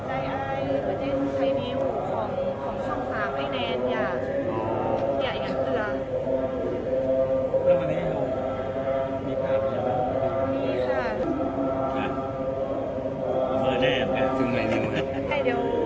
ให้เค้าเรียกว่าใครภาพไอ้แน่นอย่างเจราะ